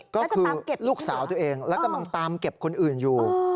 ก็คือลูกสาวตัวเองและกำลังตามเก็บคนอื่นอยู่